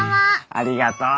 ありがとう。